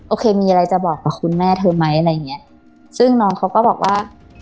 โอเคมีอะไรจะบอกกับคุณแม่เธอไหมอะไรอย่างเงี้ยซึ่งน้องเขาก็บอกว่า